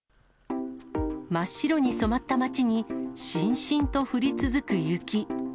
真っ白に染まった町にしんしんと降り続く雪。